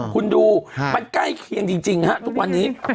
คุณดูมันใกล้เคียงจริงฮะทุกวันนี้